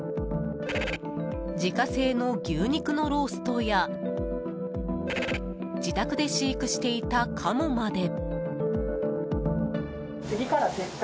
自家製の牛肉のローストや自宅で飼育していたカモまで。